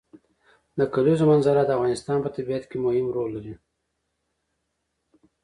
د کلیزو منظره د افغانستان په طبیعت کې مهم رول لري.